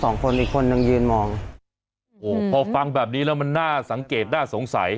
อีกคนนึงยืนมองโอ้โหพอฟังแบบนี้แล้วมันน่าสังเกตน่าสงสัย